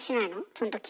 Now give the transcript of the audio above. その時。